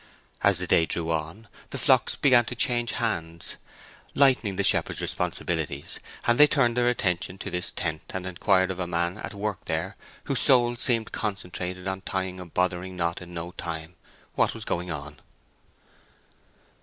As the day drew on, the flocks began to change hands, lightening the shepherd's responsibilities; and they turned their attention to this tent and inquired of a man at work there, whose soul seemed concentrated on tying a bothering knot in no time, what was going on.